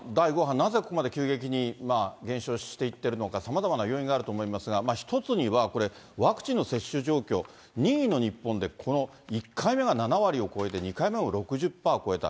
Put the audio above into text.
なぜ、ここまで急激に減少していってるのか、さまざまな要因があると思いますが、一つにはこれ、ワクチンの接種状況、任意の日本でこの１回目が７割を超えて、２回目も６０パーを超えた。